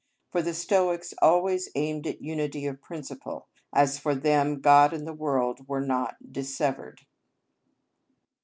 For the Stoics always aimed at unity of principle, as for them God and the world were not dissevered.